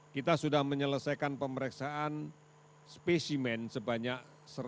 kita sudah menyelesaikan pemeriksaan spesimen sebanyak satu ratus dua tiga ratus lima